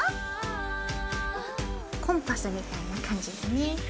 コンパスみたいな感じだね。